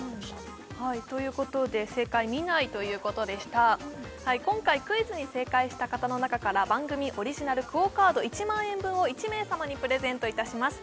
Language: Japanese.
はいということで正解見ないということでした今回クイズに正解した方の中から番組オリジナルＱＵＯカード１万円分を１名様にプレゼントいたします